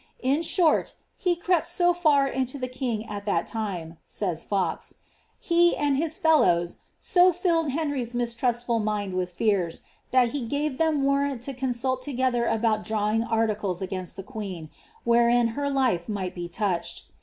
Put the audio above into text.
In short, he crept so far into tlie king at that time," says Fox, ^ and he, and his fellows, so flUed Henry^s mistrustful mind with fears, that he gave them warrant to consult together about drawing of articles against the queen, wherein her life might be touched.